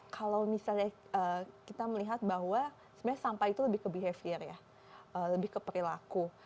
kalau misalnya kita melihat bahwa sebenarnya sampah itu lebih ke behavior ya lebih ke perilaku